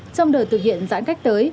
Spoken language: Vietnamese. trong đời thực hiện giãn cách tới